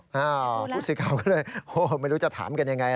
ผู้สิก่าก็เลยไม่รู้จะถามกันอย่างไร